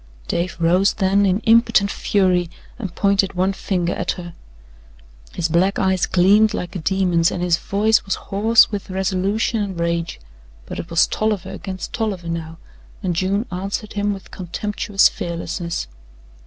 Dave rose then in impotent fury and pointed one finger at her. His black eyes gleamed like a demon's and his voice was hoarse with resolution and rage, but it was Tolliver against Tolliver now, and June answered him with contemptuous fearlessness.